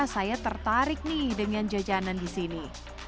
saya tertarik nih dengan jajanan di sini